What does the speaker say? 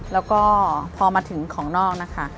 แล้วก็พอมาถึงของนอกนะคะ